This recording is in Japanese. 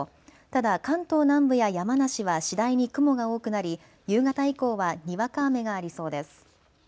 ただ関東南部や山梨は次第に雲が多くなり夕方以降はにわか雨がありそうです。